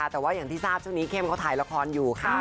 แต่ว่าอย่างที่ทราบช่วงนี้เข้มเขาถ่ายละครอยู่ค่ะ